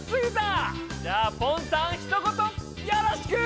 じゃあポンさんひと言よろしく！